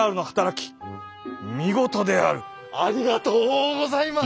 ありがとうございます。